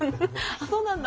あそうなんだ。